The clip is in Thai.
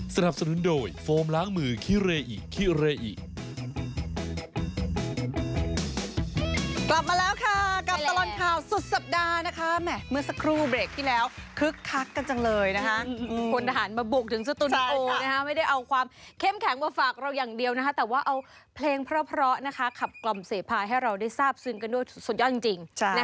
กลับมาแล้วค่ะกับตลอดข่าวสุดสัปดาห์นะคะแหมะเมื่อสกรูเบรคที่แล้วคึกคักกันจังเลยนะคะคนฐานมาบุกถึงสตุนโอนะฮะไม่ได้เอาความเข้มแข็งมาฝากเราอย่างเดียวนะฮะแต่ว่าเอาเพลงเพราะเพราะนะคะขับกล่อมเสพาให้เราได้ทราบซึ้งกันด้วยสุดยอดจริงจริง